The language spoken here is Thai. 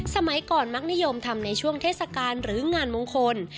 สมัยก่อนมักนิยมทำในช่วงเทศกาลหรืองานมงคล